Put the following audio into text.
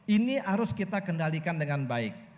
ini harus kita kendalikan dengan baik